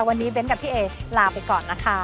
วันนี้เบ้นกับพี่เอลาไปก่อนนะคะ